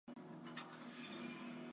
适合煎食或盐腌。